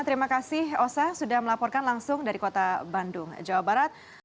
terima kasih osa sudah melaporkan langsung dari kota bandung jawa barat